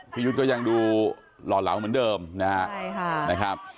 พี่ยุทธก็ยังดูหล่อเหลาเหมือนเดิมนะฮะใช่ค่ะนะครับ